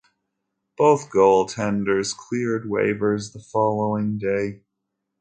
Both goaltenders cleared waivers the following day.